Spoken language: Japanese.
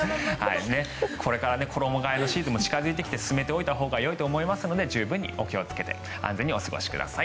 これから衣替えのシーズンも近付いてきて進めておいたほうがよいと思いますので、十分気をつけて安全にお過ごしください。